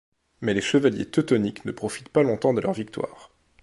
Mais les chevaliers teutoniques ne profitent pas longtemps de leur victoire.